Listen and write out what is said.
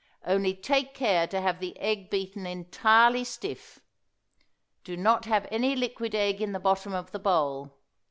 Only take care to have the egg beaten entirely stiff. Do not have any liquid egg in the bottom of the bowl.